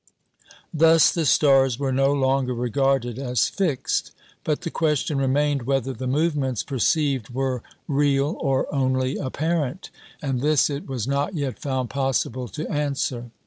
Thus the stars were no longer regarded as "fixed," but the question remained whether the movements perceived were real or only apparent; and this it was not yet found possible to answer.